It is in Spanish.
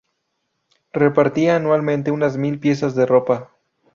Repartía anualmente unas mil piezas de ropa.